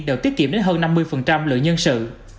đều tiết kiệm đến hơn năm mươi lượng nhân sự